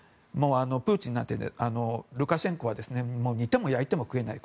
プーチンはルカシェンコは煮ても焼いても食えない